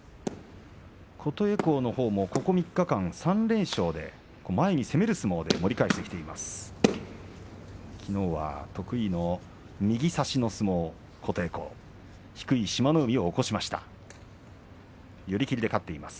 琴恵光もここ３日間、３連勝で前に出る相撲で盛り返してきています。